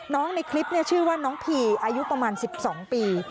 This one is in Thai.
ในคลิปชื่อว่าน้องพีอายุประมาณ๑๒ปี